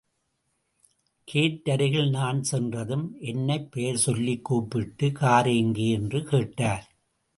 கேட்அருகில் நான் சென்றதும், என்னைப் பெயர் சொல்லிக் கூப்பிட்டு, கார் எங்கே? என்று கேட்டார்.